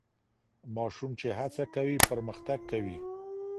ماشوم چي هڅه کوي پرمختګ کوي.